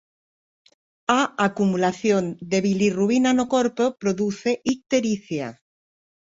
A acumulación de bilirrubina no corpo produce ictericia.